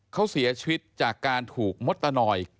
เขาเสียชีวิตจากการถูกมดตะนอย